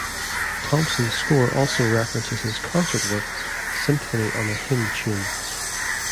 Thomson's score also references his concert work "Symphony on a Hymn Tune".